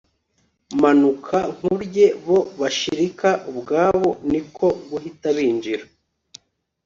manuka nkurye bo bashirika ubwoba niko guhita binjira